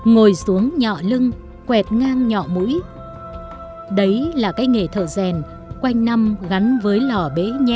ngồi xuống nhọ lưng quẹt ngang nhọ mũi đấy là cái nghề thợ rèn quanh năm gắn với lò bế nhem nhút củi than và sức nóng của lửa nhưng luôn đòi hỏi người thợ phải khéo tay và có sức khỏe